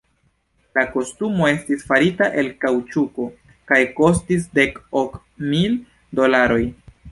La kostumo estis farita el kaŭĉuko kaj kostis dek ok mil dolaroj.